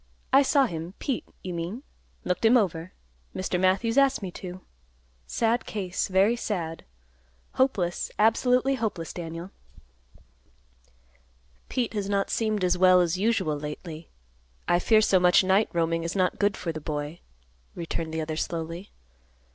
"I saw him; Pete, you mean. Looked him over. Mr. Matthews asked me to. Sad case, very sad. Hopeless, absolutely hopeless, Daniel." "Pete has not seemed as well as usual lately. I fear so much night roaming is not good for the boy," returned the other slowly.